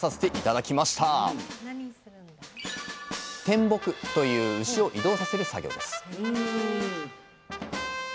「転牧」という牛を移動させる作業です